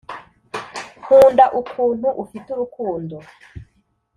nkunda ukuntu ufite urukundo.